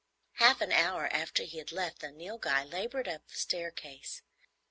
Half an hour after he had left, the Nilghai laboured up the staircase.